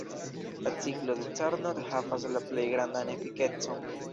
La ciklo de Carnot havas la plej grandan efikecon.